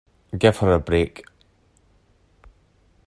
Give her a break!